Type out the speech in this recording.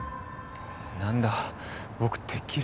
何だ僕てっきり。